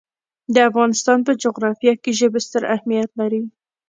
د افغانستان په جغرافیه کې ژبې ستر اهمیت لري.